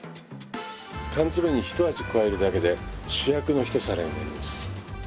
缶詰にひと味加えるだけで主役のひと皿になります。